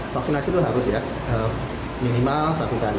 vaksinasi itu harus ya minimal satu kali